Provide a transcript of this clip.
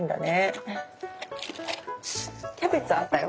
キャベツあったよ。